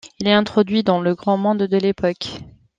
Il est introduit dans le grand monde de l'époque.